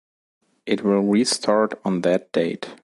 It will restart on that date.